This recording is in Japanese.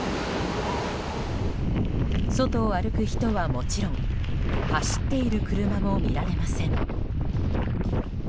外を歩く人はもちろん走っている車も見られません。